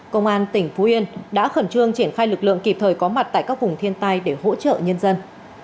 công an tỉnh phú yên đã khẩn trương triển khai lực lượng kịp thời có mặt tại các vùng thiên tai để hỗ trợ nhân dân